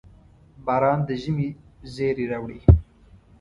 • باران د ژمي زېری راوړي.